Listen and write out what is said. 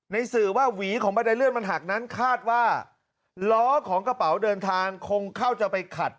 สื่อว่าหวีของบันไดเลื่อนมันหักนั้นคาดว่าล้อของกระเป๋าเดินทางคงเข้าจะไปขัด